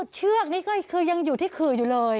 เชือกนี่ก็คือยังอยู่ที่ขื่ออยู่เลย